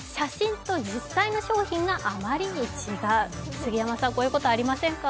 杉山さん、こういうことありませんか？